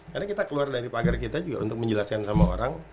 karena kita keluar dari pagar kita juga untuk menjelaskan sama orang